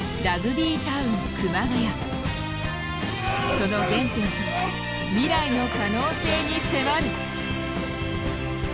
その原点と未来の可能性に迫る。